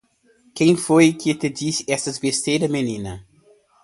Quem foi que te disse essa besteira menina?